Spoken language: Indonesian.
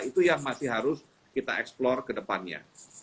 itu yang masih harus kita eksplor ke depannya